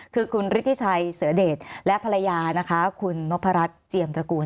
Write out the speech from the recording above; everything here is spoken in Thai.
คือคุณฤทธิชัยเสือเดชและภรรยานะคะคุณนพรัชเจียมตระกูล